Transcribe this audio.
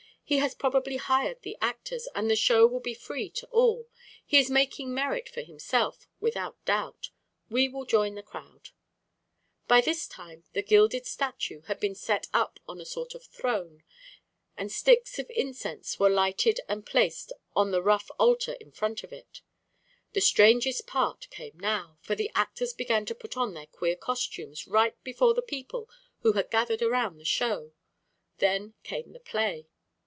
"He has probably hired the actors, and the show will be free to all. He is making merit for himself, without doubt. We will join the crowd." [Illustration: SIAMESE ACTORS.] By this time the gilded statue had been set up on a sort of throne, and sticks of incense were lighted and placed on the rough altar in front of it. The strangest part came now, for the actors began to put on their queer costumes right before the people who had gathered around the show. Then came the play.